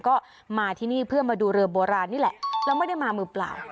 ก็มาที่นี่เพื่อมาดูเรือโบราณนี่แหละแล้วไม่ได้มามือเปล่า